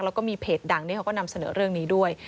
แล้วก็มีเพจดังที่เขาก็นำเสนอเรื่องนี้ด้วย